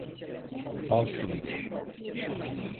Al şunları.